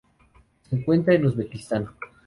Se encuentra en Uzbekistán.